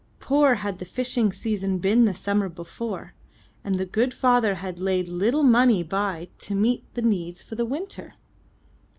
Poor had the fishing season been the summer before, and the good father had laid little money by to meet their needs for the winter.